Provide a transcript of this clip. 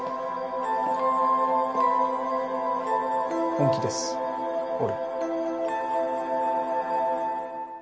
本気です俺。